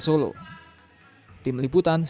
jokowi ma'ruf menanggung penyelidikan di kota solo